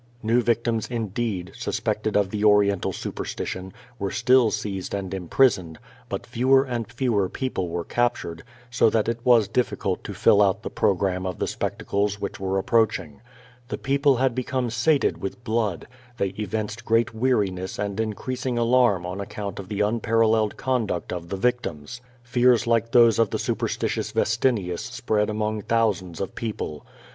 New victims, infleed, suspected of the Orien tal superstition, were still seized and imprisoned; but fewer and fewer people were capture^, so that it was ditticult to fill out the programme of the specmeles which were approach ing. The people had become sated with blood; they evinced great weariness and increasing alarnr^on account of the un paralleled conduct of the victims. Fears like those of the su persitious Vestinius spread among thousands of people.